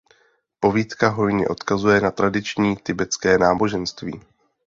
Povídka hojně odkazuje na tradiční tibetské náboženství.